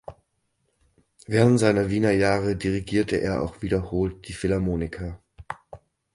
Während seiner Wiener Jahre dirigierte er auch wiederholt die Philharmoniker.